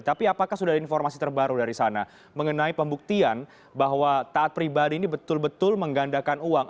tapi apakah sudah ada informasi terbaru dari sana mengenai pembuktian bahwa taat pribadi ini betul betul menggandakan uang